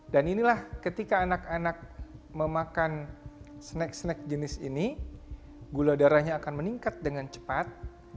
dan inilah ketika anak anak memakan snack snack jenis ini gula darahnya akan meningkat dengan cepat